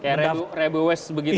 kayak rebe west begitu ya